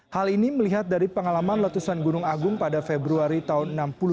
hal ini melihat dari pengalaman letusan gunung agung pada februari tahun seribu sembilan ratus enam puluh